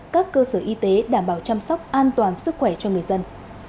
các cơ sở y tế đảm bảo chăm sóc an toàn sức khỏe cho người dân